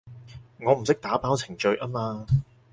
我唔識打包程序吖嘛